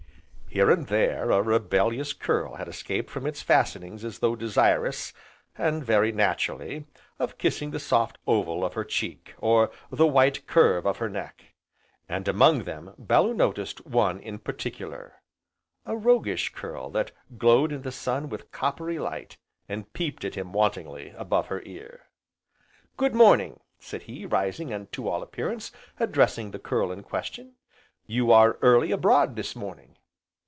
Here and there a rebellious curl had escaped from its fastenings as though desirous (and very naturally) of kissing the soft oval of her cheek, or the white curve of her neck. And among them Bellew noticed one in particular, a roguish curl that glowed in the sun with a coppery light, and peeped at him wantonly above her ear. "Good morning!" said he, rising and, to all appearance, addressing the curl in question, "you are early abroad this morning!"